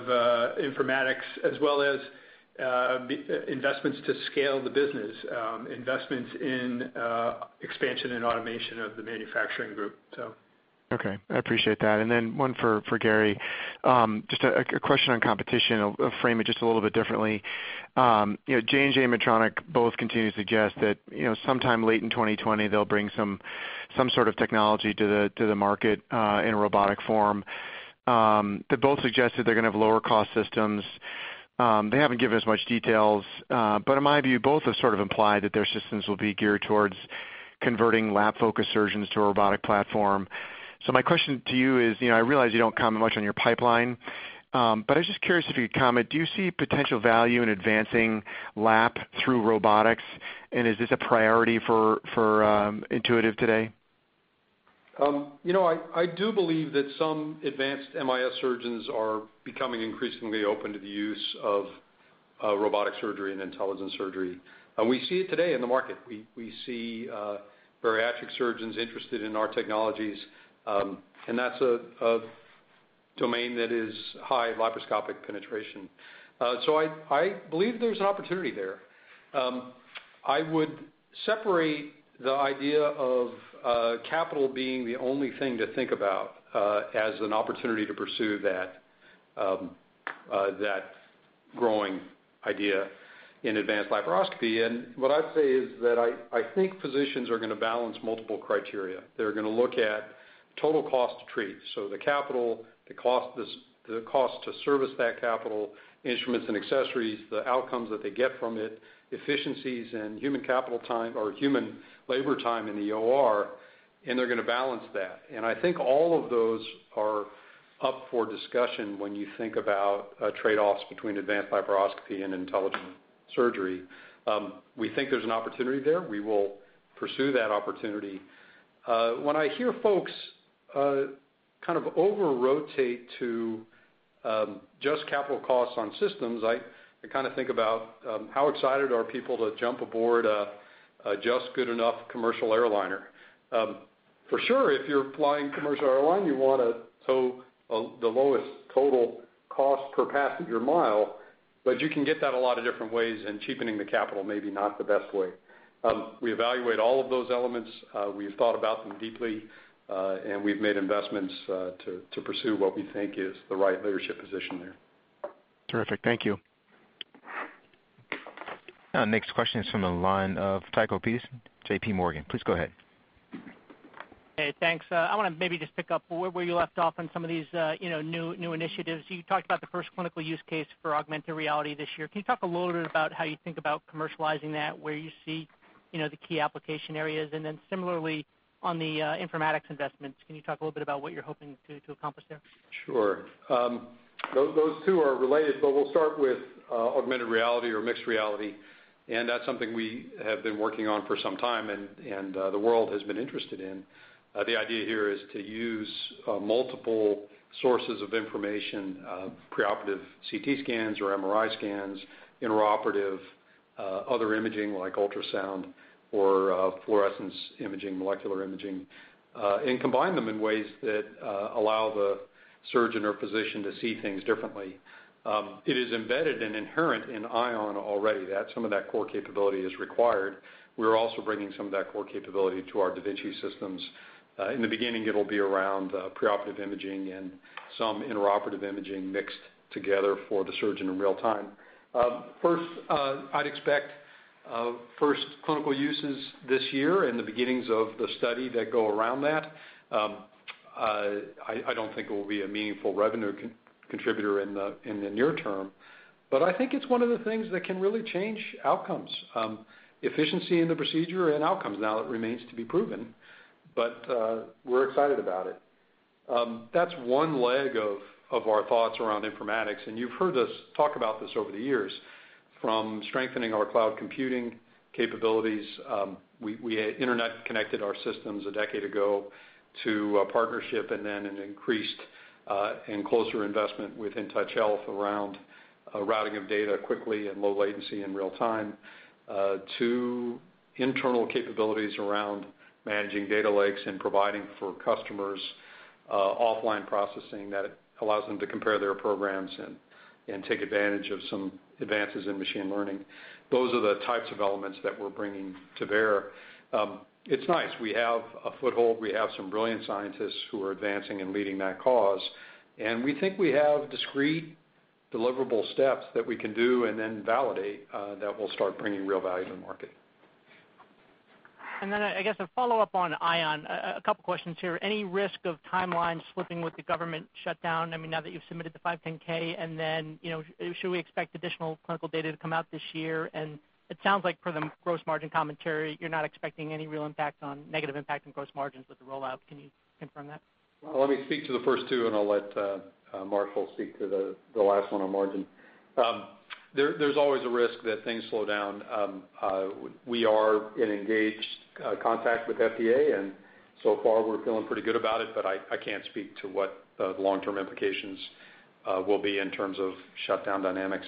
informatics as well as investments to scale the business, investments in expansion and automation of the manufacturing group. Okay. I appreciate that. Then one for Gary Guthart. Just a question on competition. I'll frame it just a little bit differently. J&J and Medtronic both continue to suggest that sometime late in 2020, they'll bring some sort of technology to the market in a robotic form. They both suggested they're going to have lower cost systems. They haven't given us much details. In my view, both have sort of implied that their systems will be geared towards converting lap-focused surgeons to a robotic platform. My question to you is, I realize you don't comment much on your pipeline, but I was just curious if you could comment, do you see potential value in advancing lap through robotics? Is this a priority for Intuitive Surgical today? I do believe that some advanced MIS surgeons are becoming increasingly open to the use of robotic surgery and intelligent surgery. We see it today in the market. We see bariatric surgeons interested in our technologies, that's a domain that is high laparoscopic penetration. I believe there's an opportunity there. I would separate the idea of capital being the only thing to think about as an opportunity to pursue that growing idea in advanced laparoscopy. What I'd say is that I think physicians are going to balance multiple criteria. They're going to look at total cost to treat. The capital, the cost to service that capital, instruments and accessories, the outcomes that they get from it, efficiencies and human labor time in the OR, and they're going to balance that. I think all of those are up for discussion when you think about trade-offs between advanced laparoscopy and intelligent surgery. We think there's an opportunity there. We will pursue that opportunity. When I hear folks kind of over-rotate to just capital costs on systems, I kind of think about how excited are people to jump aboard a just good enough commercial airliner. For sure, if you're flying commercial airline, you want to tow the lowest total cost per passenger mile, you can get that a lot of different ways, cheapening the capital may be not the best way. We evaluate all of those elements. We've thought about them deeply, and we've made investments to pursue what we think is the right leadership position there. Terrific. Thank you. Next question is from the line of Tycho Peterson, JPMorgan. Please go ahead. Hey, thanks. I want to maybe just pick up where you left off on some of these new initiatives. You talked about the first clinical use case for augmented reality this year. Can you talk a little bit about how you think about commercializing that, where you see the key application areas? Similarly, on the informatics investments, can you talk a little bit about what you're hoping to accomplish there? Sure. Those two are related, but we'll start with augmented reality or mixed reality. That's something we have been working on for some time and the world has been interested in. The idea here is to use multiple sources of information, preoperative CT scans or MRI scans, intraoperative other imaging like ultrasound or fluorescence imaging, molecular imaging, and combine them in ways that allow the surgeon or physician to see things differently. It is embedded and inherent in Ion already. Some of that core capability is required. We're also bringing some of that core capability to our da Vinci systems. In the beginning, it'll be around preoperative imaging and some intraoperative imaging mixed together for the surgeon in real time. First clinical uses this year and the beginnings of the study that go around that. I don't think it will be a meaningful revenue contributor in the near term, but I think it's one of the things that can really change outcomes. Efficiency in the procedure and outcomes. It remains to be proven, but we're excited about it. That's one leg of our thoughts around informatics, and you've heard us talk about this over the years, from strengthening our cloud computing capabilities. We had Internet connected our systems a decade ago to a partnership, and then an increased and closer investment with InTouch Health around routing of data quickly and low latency in real time, to internal capabilities around managing data lakes and providing for customers offline processing that allows them to compare their programs and take advantage of some advances in machine learning. Those are the types of elements that we're bringing to bear. It's nice. We have a foothold. We have some brilliant scientists who are advancing and leading that cause, and we think we have discrete deliverable steps that we can do and then validate that will start bringing real value to the market. I guess a follow-up on Ion. A couple of questions here. Any risk of timelines slipping with the government shutdown? Now that you've submitted the 510(k) and then, should we expect additional clinical data to come out this year? It sounds like for the gross margin commentary, you're not expecting any real negative impact on gross margins with the rollout. Can you confirm that? Well, let me speak to the first two, I'll let Marshall Mohr speak to the last one on margin. There's always a risk that things slow down. We are in engaged contact with FDA, so far we're feeling pretty good about it, I can't speak to what the long-term implications will be in terms of shutdown dynamics.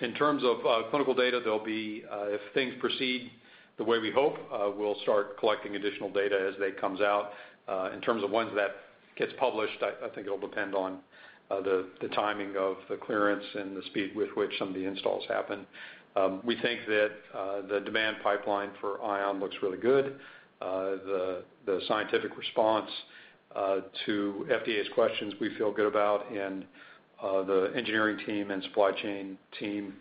In terms of clinical data, if things proceed the way we hope, we'll start collecting additional data as that comes out. In terms of when that gets published, I think it'll depend on the timing of the clearance and the speed with which some of the installs happen. We think that the demand pipeline for Ion looks really good. The scientific response to FDA's questions we feel good about, the engineering team and supply chain team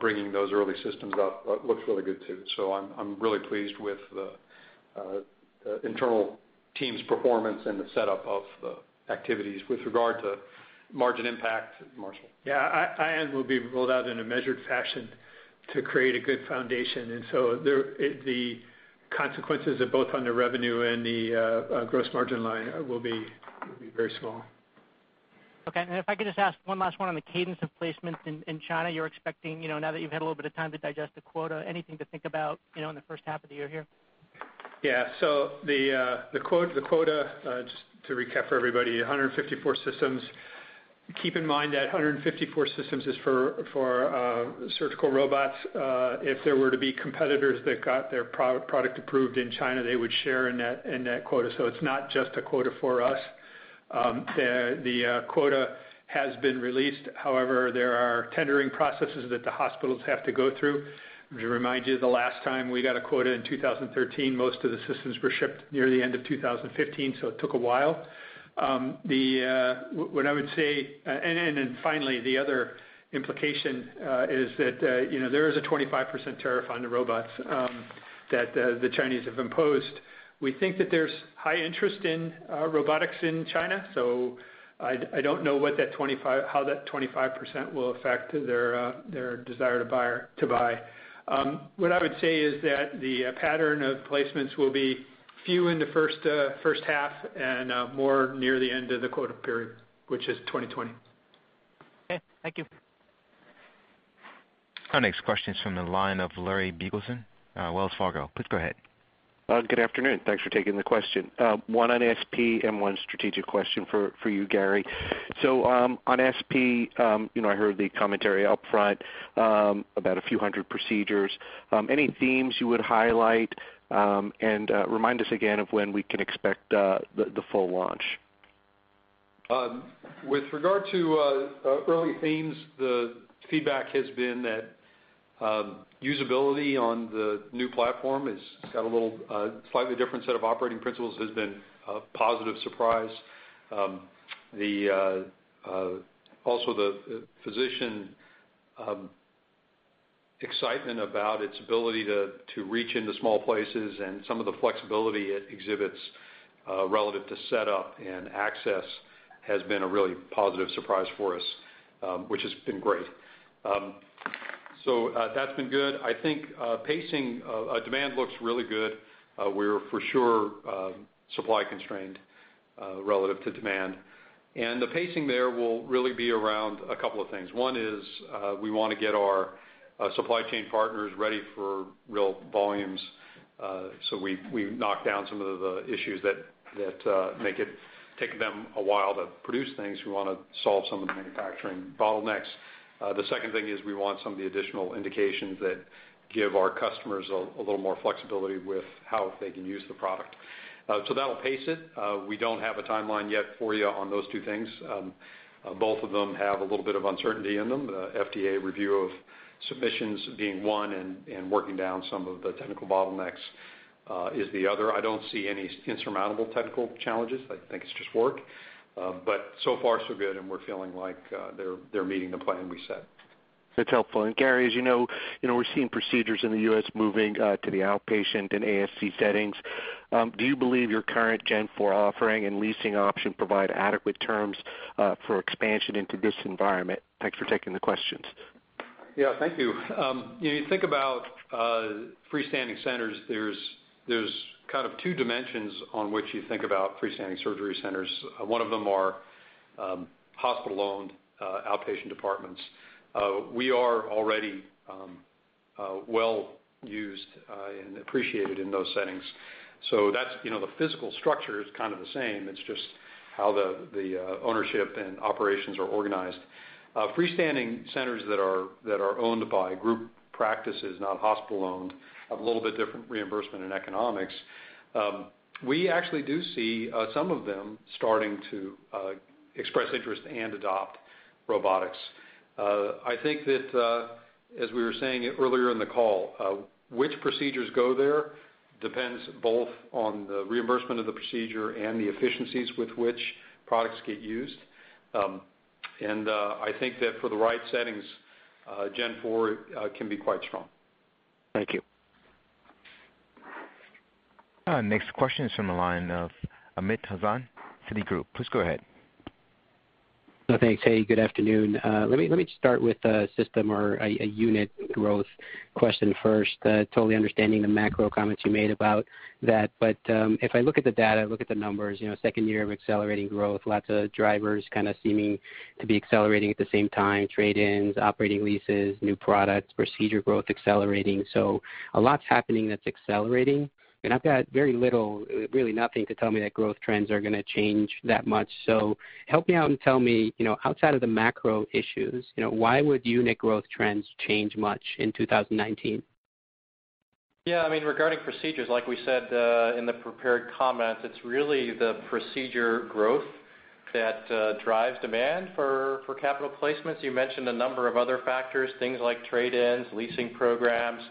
bringing those early systems up looks really good too. I'm really pleased with the internal team's performance, the setup of the activities. With regard to margin impact, Marshall Mohr. Yeah. Ion will be rolled out in a measured fashion to create a good foundation. The consequences of both on the revenue and the gross margin line will be very small. Okay. If I could just ask one last one on the cadence of placements in China. You're expecting, now that you've had a little bit of time to digest the quota, anything to think about in the first half of the year here? Yeah. The quota, just to recap for everybody, 154 systems. Keep in mind that 154 systems is for surgical robots. If there were to be competitors that got their product approved in China, they would share in that quota. It's not just a quota for us. The quota has been released. However, there are tendering processes that the hospitals have to go through. To remind you, the last time we got a quota in 2013, most of the systems were shipped near the end of 2015, it took a while. Finally, the other implication is that there is a 25% tariff on the robots that the Chinese have imposed. We think that there's high interest in robotics in China, I don't know how that 25% will affect their desire to buy. What I would say is that the pattern of placements will be few in the first half and more near the end of the quota period, which is 2020. Okay. Thank you. Our next question is from the line of Lawrence Biegelsen, Wells Fargo. Please go ahead. Good afternoon. Thanks for taking the question. One on SP and one strategic question for you, Gary Guthart. On SP, I heard the commentary upfront about a few hundred procedures. Any themes you would highlight, and remind us again of when we can expect the full launch. With regard to early themes, the feedback has been that usability on the new platform, it's got a little slightly different set of operating principles, has been a positive surprise. Also, the physician excitement about its ability to reach into small places and some of the flexibility it exhibits relative to setup and access has been a really positive surprise for us, which has been great. That's been good. I think pacing demand looks really good. We're for sure supply constrained relative to demand. The pacing there will really be around a couple of things. One is we want to get our supply chain partners ready for real volumes. We knock down some of the issues that make it take them a while to produce things. We want to solve some of the manufacturing bottlenecks. The second thing is we want some of the additional indications that give our customers a little more flexibility with how they can use the product. That'll pace it. We don't have a timeline yet for you on those two things. Both of them have a little bit of uncertainty in them. FDA review of submissions being one and working down some of the technical bottlenecks. Is the other. I don't see any insurmountable technical challenges. I think it's just work. So far so good, and we're feeling like they're meeting the plan we set. That's helpful. Gary Guthart, as you know, we're seeing procedures in the U.S. moving to the outpatient and ASC settings. Do you believe your current Gen 4 offering and leasing option provide adequate terms for expansion into this environment? Thanks for taking the questions. Yeah, thank you. You think about freestanding centers, there's two dimensions on which you think about freestanding surgery centers. One of them are hospital-owned outpatient departments. We are already well-used and appreciated in those settings. The physical structure is kind of the same, it's just how the ownership and operations are organized. Freestanding centers that are owned by group practices, not hospital-owned, have a little bit different reimbursement and economics. We actually do see some of them starting to express interest and adopt robotics. I think that, as we were saying earlier in the call, which procedures go there depends both on the reimbursement of the procedure and the efficiencies with which products get used. I think that for the right settings, Gen 4 can be quite strong. Thank you. Next question is from the line of Amit Hazan, Citigroup. Please go ahead. Thanks. Hey, good afternoon. Let me just start with a system or a unit growth question first. Totally understanding the macro comments you made about that, if I look at the data, look at the numbers, second year of accelerating growth, lots of drivers seeming to be accelerating at the same time, trade-ins, operating leases, new products, procedure growth accelerating. A lot's happening that's accelerating. I've got very little, really nothing to tell me that growth trends are going to change that much. Help me out and tell me, outside of the macro issues, why would unit growth trends change much in 2019? Yeah, regarding procedures, like we said in the prepared comments, it's really the procedure growth that drives demand for capital placements. You mentioned a number of other factors, things like trade-ins, leasing programs,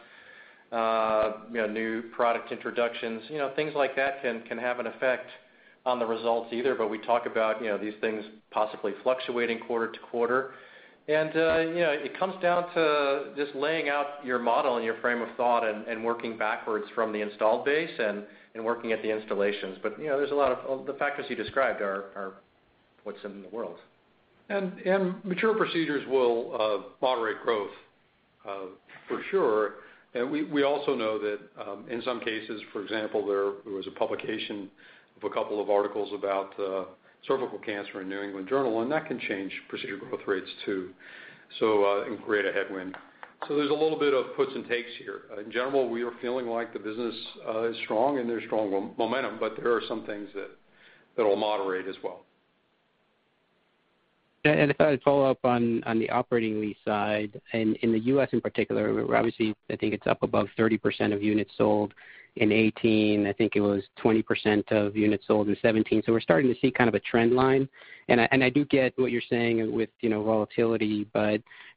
new product introductions. Things like that can have an effect on the results either, we talk about these things possibly fluctuating quarter-to-quarter. It comes down to just laying out your model and your frame of thought and working backwards from the installed base and working at the installations. The factors you described are what's in the world. Mature procedures will moderate growth for sure. We also know that in some cases, for example, there was a publication of a couple of articles about cervical cancer in New England Journal, that can change procedure growth rates too, and create a headwind. There's a little bit of puts and takes here. In general, we are feeling like the business is strong and there's strong momentum, there are some things that will moderate as well. If I follow up on the operating lease side and in the U.S. in particular, we're obviously, I think it's up above 30% of units sold in 2018. I think it was 20% of units sold in 2017. We're starting to see a trend line, and I do get what you're saying with volatility.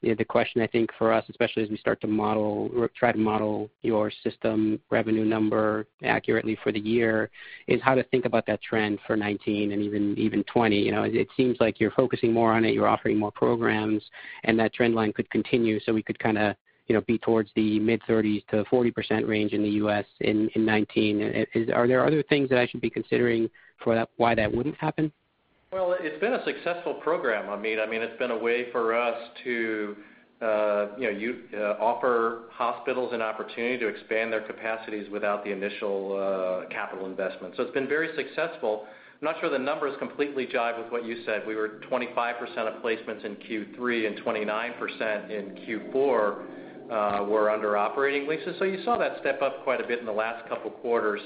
The question I think for us, especially as we start to try to model your system revenue number accurately for the year, is how to think about that trend for 2019 and even 2020. It seems like you're focusing more on it, you're offering more programs. That trend line could continue, so we could be towards the mid-30s %to 40% range in the U.S. in 2019. Are there other things that I should be considering for why that wouldn't happen? It's been a successful program, Amit. It's been a way for us to offer hospitals an opportunity to expand their capacities without the initial capital investment. It's been very successful. I'm not sure the numbers completely jive with what you said. We were 25% of placements in Q3 and 29% in Q4 were under operating leases. You saw that step up quite a bit in the last couple quarters.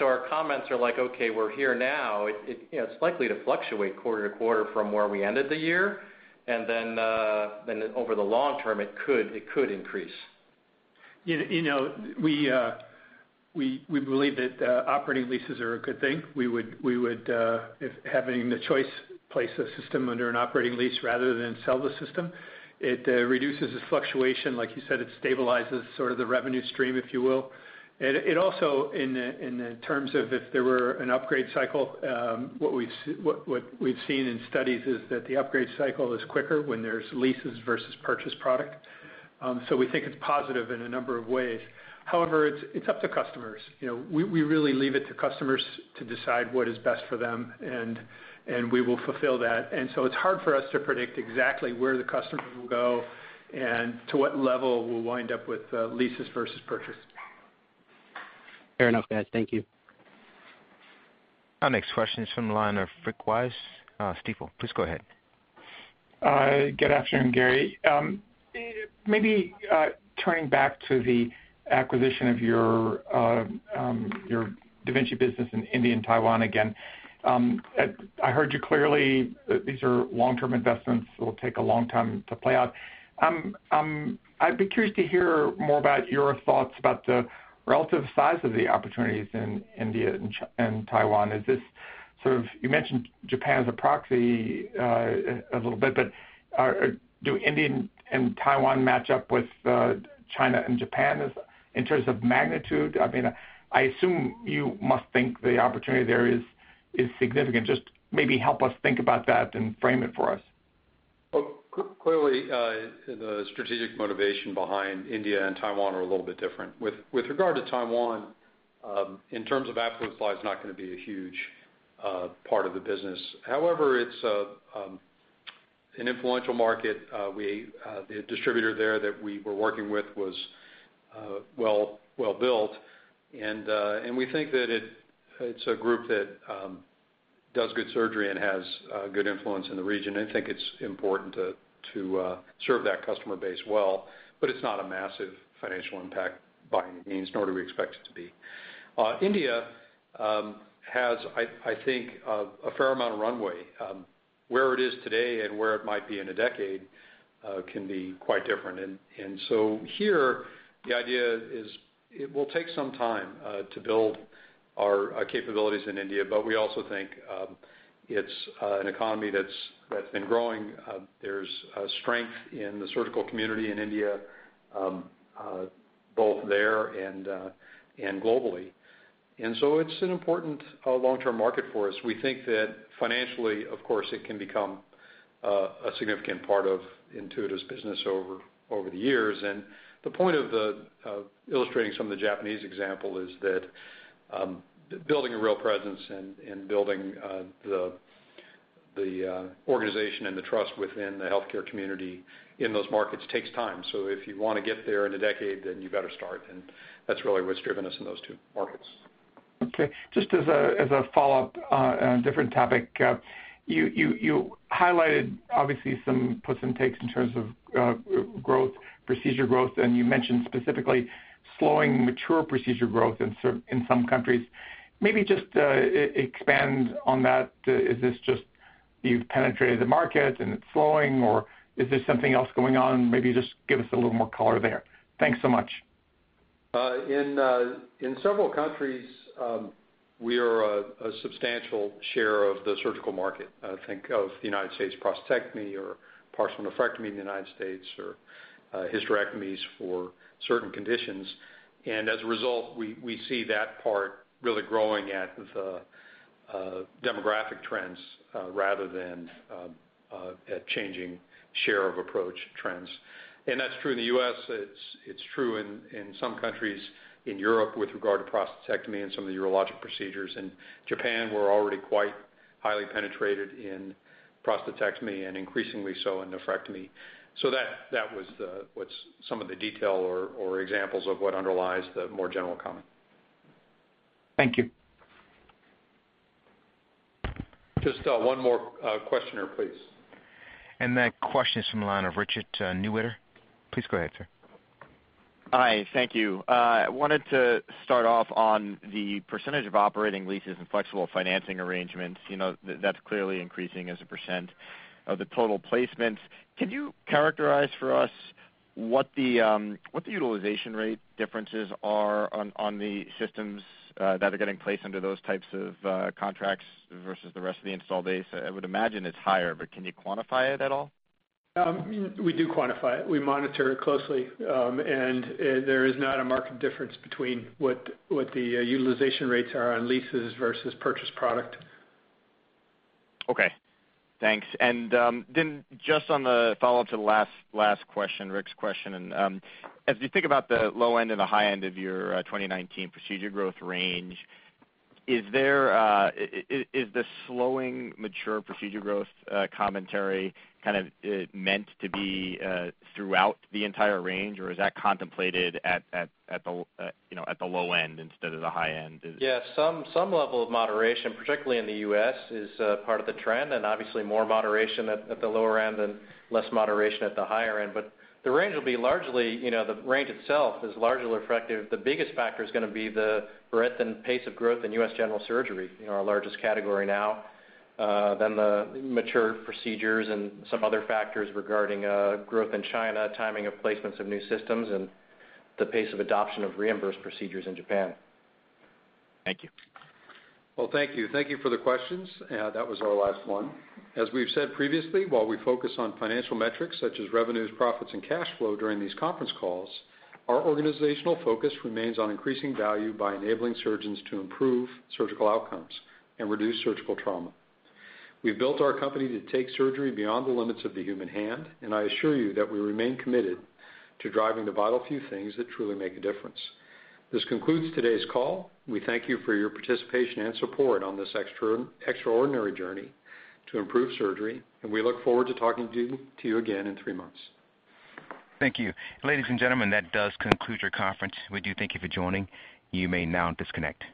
Our comments are like, okay, we're here now. It's likely to fluctuate quarter-to-quarter from where we ended the year. Over the long term, it could increase. We believe that operating leases are a good thing. We would, if having the choice, place a system under an operating lease rather than sell the system. It reduces the fluctuation, like you said, it stabilizes sort of the revenue stream, if you will. It also, in the terms of if there were an upgrade cycle, what we've seen in studies is that the upgrade cycle is quicker when there's leases versus purchase product. We think it's positive in a number of ways. However, it's up to customers. We really leave it to customers to decide what is best for them, and we will fulfill that. It's hard for us to predict exactly where the customer will go and to what level we'll wind up with leases versus purchase. Fair enough, guys. Thank you. Next question is from the line of Rick Wise, Stifel. Please go ahead. Good afternoon, Gary Guthart. Maybe turning back to the acquisition of your da Vinci business in India and Taiwan again. I heard you clearly these are long-term investments that will take a long time to play out. I'd be curious to hear more about your thoughts about the relative size of the opportunities in India and Taiwan. Is this You mentioned Japan as a proxy a little bit, do India and Taiwan match up with China and Japan in terms of magnitude? I assume you must think the opportunity there is significant. Just maybe help us think about that and frame it for us. Clearly, the strategic motivation behind India and Taiwan are a little bit different. With regard to Taiwan, in terms of Apple, it's not going to be a huge part of the business. However, it's an influential market. The distributor there that we were working with was well-built, and we think that it's a group that does good surgery and has good influence in the region, and think it's important to serve that customer base well. It's not a massive financial impact by any means, nor do we expect it to be. India has, I think, a fair amount of runway. Where it is today and where it might be in a decade can be quite different. Here, the idea is it will take some time to build our capabilities in India, but we also think it's an economy that's been growing. There's strength in the surgical community in India, both there and globally. It's an important long-term market for us. We think that financially, of course, it can become a significant part of Intuitive Surgical business over the years. The point of illustrating some of the Japanese example is that building a real presence and building the organization and the trust within the healthcare community in those markets takes time. If you want to get there in a decade, you better start, and that's really what's driven us in those two markets. Okay. Just as a follow-up on a different topic, you highlighted obviously some puts and takes in terms of procedure growth, you mentioned specifically slowing mature procedure growth in some countries. Just expand on that. Is this just you've penetrated the market and it's slowing, or is there something else going on? Just give us a little more color there. Thanks so much. In several countries, we are a substantial share of the surgical market, think of the United States prostatectomy or partial nephrectomy in the United States or hysterectomies for certain conditions. As a result, we see that part really growing at the demographic trends rather than at changing share of approach trends. That's true in the U.S., it's true in some countries in Europe with regard to prostatectomy and some of the urologic procedures. In Japan, we're already quite highly penetrated in prostatectomy and increasingly so in nephrectomy. That was what's some of the detail or examples of what underlies the more general comment. Thank you. Just one more questioner, please. That question is from the line of Richard Newitter. Please go ahead, sir. Hi. Thank you. I wanted to start off on the percentage of operating leases and flexible financing arrangements. That's clearly increasing as a percent of the total placements. Can you characterize for us what the utilization rate differences are on the systems that are getting placed under those types of contracts versus the rest of the install base? I would imagine it's higher, but can you quantify it at all? We do quantify it. We monitor it closely. There is not a marked difference between what the utilization rates are on leases versus purchased product. Okay. Thanks. Just on the follow-up to the last question, Rick Wise's question, as you think about the low end and the high end of your 2019 procedure growth range, is the slowing mature procedure growth commentary kind of meant to be throughout the entire range, or is that contemplated at the low end instead of the high end? Yeah. Some level of moderation, particularly in the U.S., is part of the trend, obviously more moderation at the lower end and less moderation at the higher end. The range itself is largely reflective. The biggest factor is going to be the breadth and pace of growth in U.S. general surgery, our largest category now, than the mature procedures and some other factors regarding growth in China, timing of placements of new systems, and the pace of adoption of reimbursed procedures in Japan. Thank you. Well, thank you. Thank you for the questions. That was our last one. As we've said previously, while we focus on financial metrics such as revenues, profits, and cash flow during these conference calls, our organizational focus remains on increasing value by enabling surgeons to improve surgical outcomes and reduce surgical trauma. We've built our company to take surgery beyond the limits of the human hand, I assure you that we remain committed to driving the vital few things that truly make a difference. This concludes today's call. We thank you for your participation and support on this extraordinary journey to improve surgery, and we look forward to talking to you again in three months. Thank you. Ladies and gentlemen, that does conclude your conference. We do thank you for joining. You may now disconnect.